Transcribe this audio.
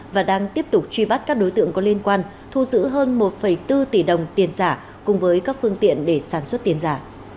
và đang tiếp tục truy bắt các đối tượng có liên quan thu giữ hơn một bốn tỷ đồng tiền giả cùng với các phương tiện để sản xuất tiền giả